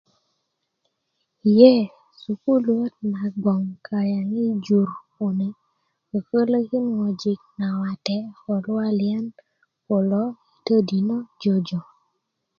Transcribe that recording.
ye sukuluö na bgoŋ kayaŋ a jur kune kokolokin ŋojik nawate ko luwaliyan kulo todino jojo